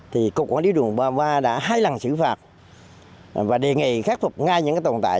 thì cục quản lý đường ba mươi ba đã hai lần xử phạt và đề nghị khắc phục ngay những tồn tại